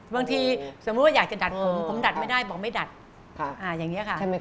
บางทีสมมุติอยากจะดัดผม